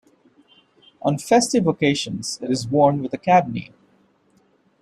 On festive occasions, it is worn with a kabney.